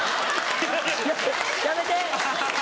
やめて！